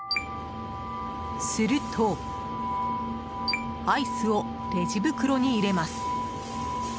するとアイスをレジ袋に入れます。